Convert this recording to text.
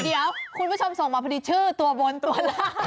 เดี๋ยวคุณผู้ชมส่งมาพอดีชื่อตัวบนตัวล่า